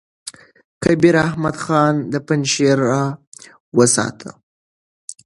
کبیر احمد خان پنجشېري را واستاوه.